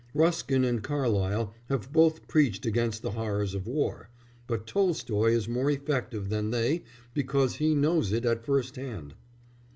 Ruskin and Carlyle have both preached against the horrors of war, but Tolstoy is more effective than they because he knows it at first hand.